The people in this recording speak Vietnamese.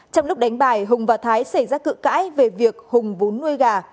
trong lúc đánh bài hùng và thái xảy ra cự cãi về việc hùng vốn nuôi gà